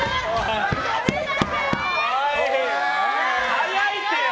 早いって！